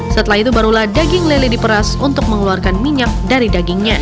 setelah itu barulah daging lele diperas untuk mengeluarkan minyak dari dagingnya